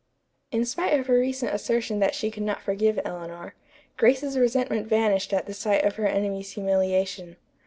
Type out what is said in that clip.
In spite of her recent assertion that she could not forgive Eleanor, Grace's resentment vanished at sight of her enemy's humiliation.